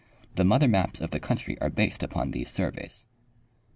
The mother maps of the country are based upon these surveys.